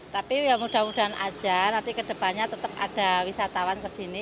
tapi ya mudah mudahan aja nanti ke depannya tetap ada wisatawan kesini